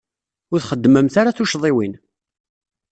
Ur txeddmemt ara tuccḍiwin.